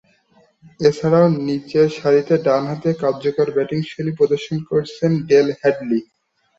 এছাড়াও, নিচেরসারিতে ডানহাতে কার্যকরী ব্যাটিংশৈলী প্রদর্শন করেছেন ডেল হ্যাডলি।